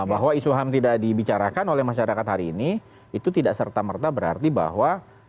bahwa isu ham tidak dibicarakan oleh masyarakat hari ini itu tidak serta merta berarti bahwa